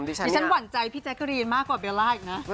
ฉันหวั่นใจพี่แจ๊กกะรีนมากกว่าเบลล่าอีกนะ